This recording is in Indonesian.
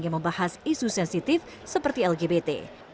yang membahas isu sensitif seperti lgbt